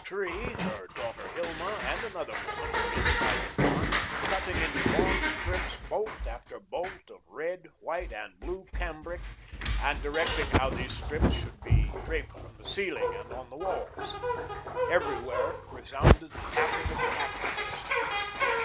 Tree, her daughter Hilma and another woman were inside the barn cutting into long strips bolt after bolt of red, white and blue cambric and directing how these strips should be draped from the ceiling and on the walls; everywhere resounded the tapping of tack hammers.